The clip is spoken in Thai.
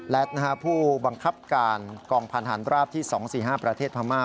และผู้บังคับการกองพันธานราบที่๒๔๕ประเทศพม่า